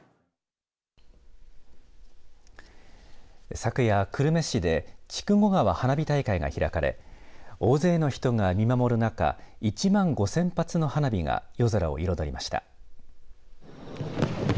昨夜、久留米市で筑後川花火大会が開かれ大勢の人が見守る中１万５０００発の花火が夜空を彩りました。